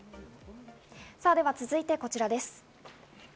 さぁでは続いてこちらです。